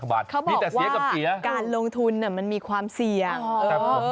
ไม่ใช่เออแถมไอ้ข้อห้ามที่สั่งเอาไว้นะครับ